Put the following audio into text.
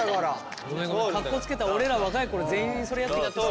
かっこつけた俺ら若い頃全員それやってきてさ。